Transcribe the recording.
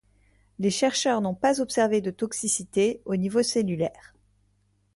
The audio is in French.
Les chercheurs n’ont pas observé de toxicité au niveau cellulaire.